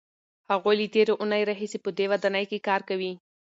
هغوی له تېرې اوونۍ راهیسې په دې ودانۍ کار کوي.